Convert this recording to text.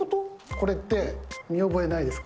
これって、見覚えないですか？